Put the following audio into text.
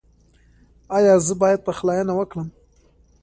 ایا زه باید پخلاینه وکړم؟